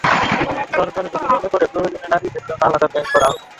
সরকার যদি মনে করে প্রয়োজনে নারীদের জন্য আলাদা ব্যাংক করা হবে।